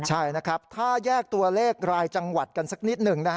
ใช่นะครับถ้าแยกตัวเลขรายจังหวัดกันสักนิดหนึ่งนะฮะ